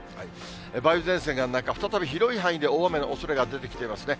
梅雨前線が再び広い範囲で大雨のおそれが出てきていますね。